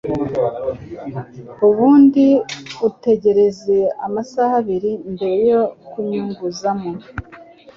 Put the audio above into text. ubundi utegereze amasaha abiri mbere yo kunyuguzamo.